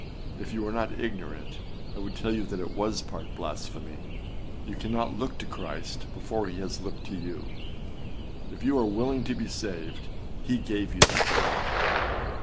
If you were not ignorant, I would tell you that it was part blasphemy. You cannot look to Christ before he has looked to you. If you are willing to be saved, he gave you that will.